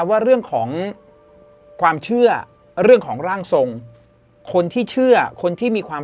ว่าเรื่องของความเชื่อเรื่องของร่างทรงคนที่เชื่อคนที่มีความ